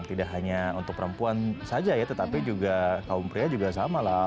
tidak hanya untuk perempuan saja ya tetapi juga kaum pria juga sama lah